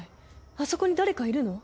あそこに誰かいるの？